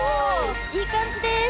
いい感じです。